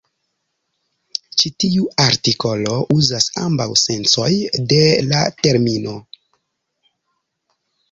Ĉi tiu artikolo uzas ambaŭ sencoj de la termino.